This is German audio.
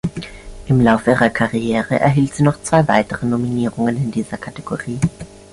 Im Laufe ihrer Karriere erhielt sie noch zwei weitere Nominierungen in dieser Kategorie.